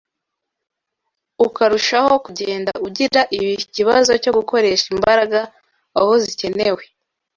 ukarushaho kugenda ugira ikibazo cyo gukoresha imbaraga aho zikenewe